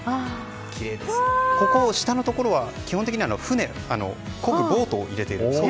下のところは基本的にはこぐボートを入れてるんです。